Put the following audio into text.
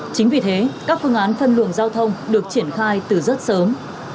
chính vì thế các phương án phân luồng giao thông được triển khai từ rất sớm